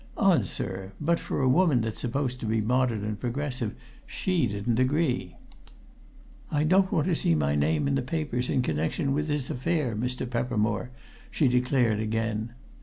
"Odd, sir, but, for a woman that's supposed to be modern and progressive, she didn't agree. 'I don't want to see my name in the papers in connection with this affair, Mr. Peppermore,' she declared again.